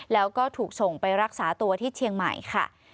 แล้วก็ถูกส่งไปรักษาตัวที่เชียงใหม่ค่ะ